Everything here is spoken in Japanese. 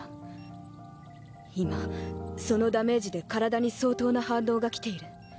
今そのダメージで体に相当な反動がきている。